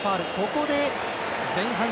ここで前半終了。